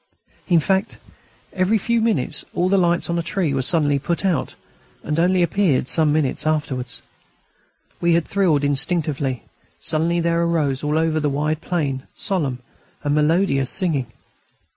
In fact, every few minutes all the lights on a tree were suddenly put out, and only appeared some minutes afterwards. We had thrilled instinctively. Suddenly there arose, all over the wide plain, solemn and melodious singing.